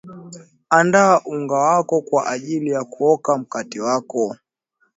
andaa unga wako kwa ajili ya kuoka mkate wako